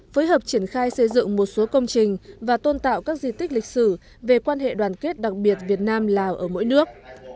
phối hợp triển khai xây dựng một số công trình và tôn tạo các di tích lịch sử về quan hệ đoàn kết đặc biệt việt nam lào ở mỗi nước